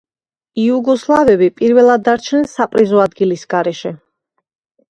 იუგოსლავები პირველად დარჩნენ საპრიზო ადგილის გარეშე.